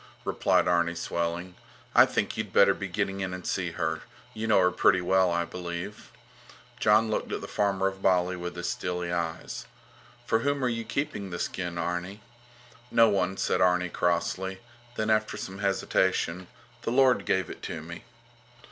replied Arni, swelling. I think you'd better be getting in and see her. You know her pretty well, I believe. Jon looked at the farmer of Bali with his steely eyes. For whom are you keeping the skin, Arni? No one, said Arni, crossly; then after some hesitation: The Lord gave it to me.